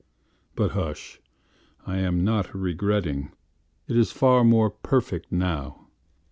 But hush, I am not regretting:It is far more perfect now.